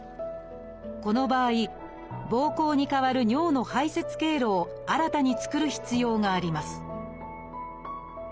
この場合膀胱に代わる尿の排泄経路を新たに作る必要があります